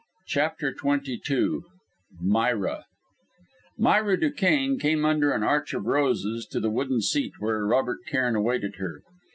CHAPTER XXII MYRA Myra Duquesne came under an arch of roses to the wooden seat where Robert Cairn awaited her.